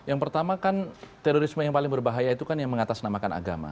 yang pertama kan terorisme yang paling berbahaya itu kan yang mengatasnamakan agama